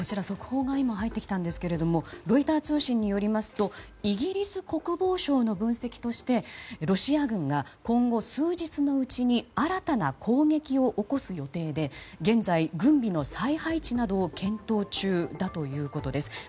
速報が入ってきたんですけれどもロイター通信によりますとイギリス国防省の分析としてロシア軍が今後、数日のうちに新たな攻撃を起こす予定で現在、軍備の再配置などを検討中だということです。